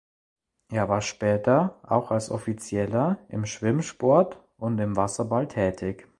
Er war später auch als Offizieller im Schwimmsport und im Wasserball tätig.